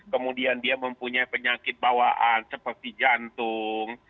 kemudian dia mempunyai penyakit bawaan seperti jantung